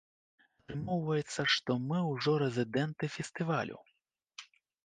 Атрымоўваецца, што мы ўжо рэзідэнты фестывалю!